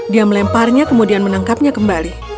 dia melemparnya kemudian menangkapnya kembali